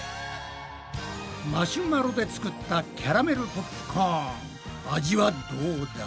マシュマロで作ったキャラメルポップコーン味はどうだ？